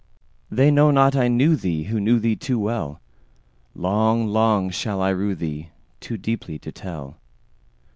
They know not I knew theeWho knew thee too well:Long, long shall I rue theeToo deeply to tell.